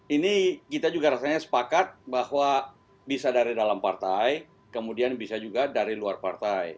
ini kita juga rasanya sepakat bahwa bisa dari dalam partai kemudian bisa juga dari luar partai